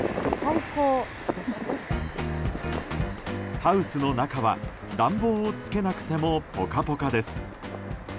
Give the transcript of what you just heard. ハウスの中は暖房をつけなくてもポカポカです。